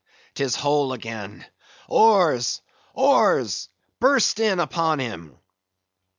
—'tis whole again; oars! oars! Burst in upon him!"